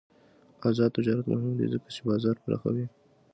آزاد تجارت مهم دی ځکه چې بازار پراخوي.